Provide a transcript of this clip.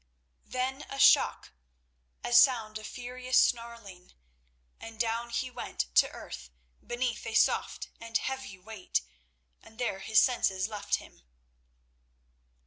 Then a shock, a sound of furious snarling, and down he went to earth beneath a soft and heavy weight, and there his senses left him.